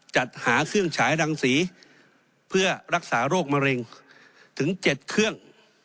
จัดหาเครื่องฉายรังสีเพื่อรักษาโรคมะเร็งถึง๗เครื่อง